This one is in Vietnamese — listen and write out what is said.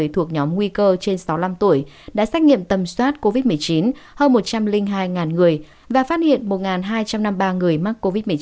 thuộc nhóm nguy cơ trên sáu mươi năm tuổi đã xét nghiệm tầm soát covid một mươi chín hơn một trăm linh hai người và phát hiện một hai trăm năm mươi ba người mắc covid một mươi chín